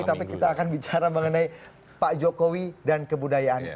tapi kita akan bicara mengenai pak jokowi dan kebudayaan